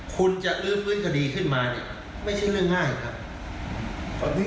คุณจะลื้อฟื้นคดีขึ้นมาเนี่ยไม่ใช่เรื่องง่ายครับ